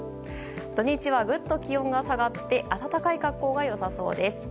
土日はぐっと気温が下がって暖かい格好が良さそうです。